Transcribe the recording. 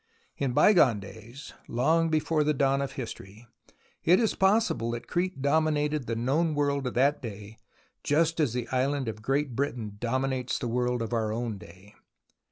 In bygone days, long before the dawn of history, it is possible that Crete dominated the known world of that day just as the Island of Great Britain dominates the world of our own day.